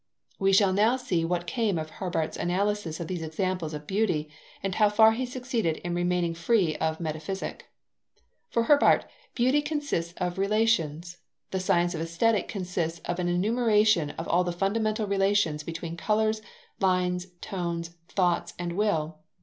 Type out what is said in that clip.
We shall now see what came of Herbart's analysis of these examples of beauty, and how far he succeeded in remaining free of Metaphysic. For Herbart, beauty consists of relations. The science of Aesthetic consists of an enumeration of all the fundamental relations between colours, lines, tones, thoughts, and will.